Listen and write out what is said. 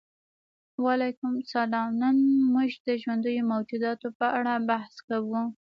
وعلیکم السلام نن موږ د ژوندیو موجوداتو په اړه بحث کوو